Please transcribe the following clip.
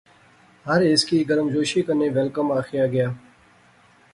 ہر ہیس کی گرمجوشی کنے ویل کم آخیا گیا